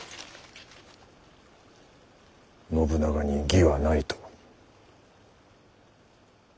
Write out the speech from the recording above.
信長に義はないと。